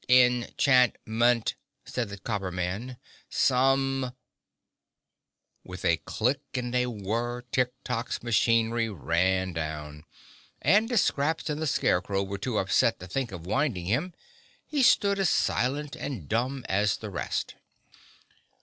"En chant ment," said the Copper Man. "Some—" With a click and a whirr Tik Tok's machinery ran down, and as Scraps and the Scarecrow were too upset to think of winding him, he stood as silent and dumb as the rest.